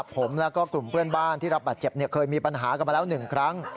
ผมแล้วก็กลุ่มเพื่อนบ้านที่รับบาดเจ็บเคยมีปัญหากันมาแล้ว๑ครั้ง